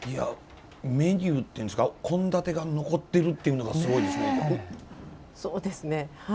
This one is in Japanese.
メニューっていうんですか献立が残っているというのがすごいですね。